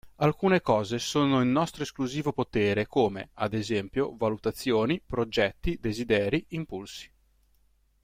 Alcune cose sono in nostro esclusivo potere come, ad esempio, valutazioni, progetti, desideri, impulsi.